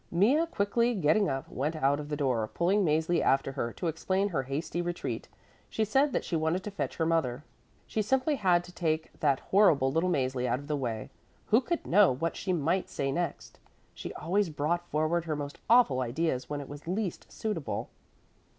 Mea, quickly getting up, went out of the door, pulling Mäzli after her; to explain her hasty retreat, she said that she wanted to fetch her mother. She simply had to take that horrible little Mäzli out of the way; who could know what she might say next. She always brought forward her most awful ideas when it was least suitable.